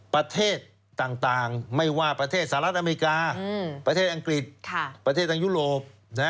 ประเทศต่างไม่ว่าประเทศสหรัฐอเมริกาประเทศอังกฤษประเทศทางยุโรป